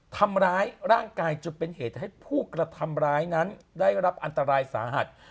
ทำร้ายร่างกายจนเป็นเหตุให้ผู้กระทำร้ายนั้นได้รับอันตรายสาหัส